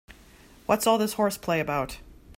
What's all this horseplay about?